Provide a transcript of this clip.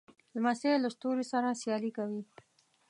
لمسی له ستوري سره سیالي کوي.